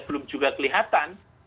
belum juga kelihatan